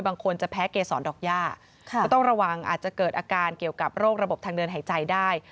บางคนจะแพ้เกษรดอกย่าก็ต้องระวังอาจจะเกิดอาการเกี่ยวกับโรคระบบทางเดินหายใจได้